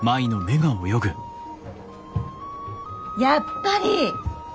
やっぱり！